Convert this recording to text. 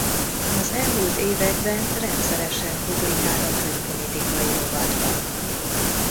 Az elmúlt években rendszeresen publikál a külpolitikai rovatban.